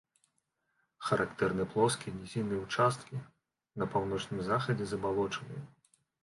Характэрны плоскія нізінныя ўчасткі, на паўночным захадзе забалочаныя.